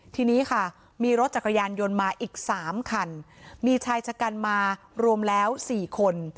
ทีนี้ค่ะมีรถจักรยานยนต์มาอีก๓คันมีชายชะกันมารวมแล้ว๔คน